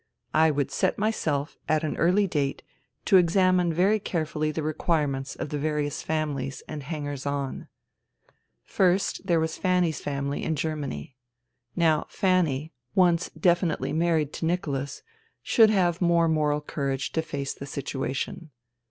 I would set myself, at an early date, to examine very carefully the requirements of the various families and hangers on. THE THREE SISTERS 67 First, there was Fanny's family in Germany. Now Fanny, once definitely married to Nicholas, should have more moral courage to face the situation.